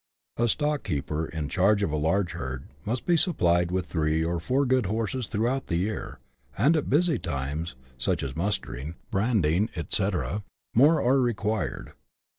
A stock keeper in charge of a large herd must be sup plied with three or four good horses throughout the year, and at busy times, such as mustering, branding, &c., more are required.